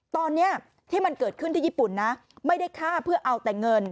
ตอนนี้ที่มันเกิดขึ้นที่ญี่ปุ่นนะไม่ได้ฆ่าเพื่อเอาแต่เงิน